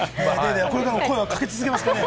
これからも声を掛け続けますからね！